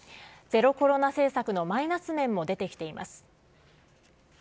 ゼロコロナ政策のマイナス面も出てきています。